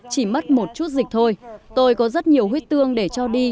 chỉ mất một chút dịch thôi tôi có rất nhiều huyết tương để cho đi